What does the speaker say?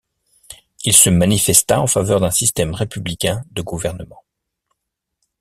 Il se manifesta en faveur d'un système républicain de gouvernement.